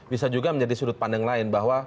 bisa juga menjadi sudut pandang lain bahwa